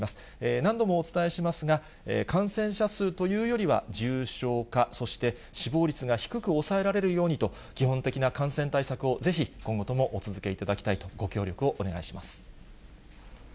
何度もお伝えしますが、感染者数というよりは、重症化、そして死亡率が低く抑えられるようにと、基本的な感染対策をぜひ今後ともお続けいただきたいと、ご協力をお願いします。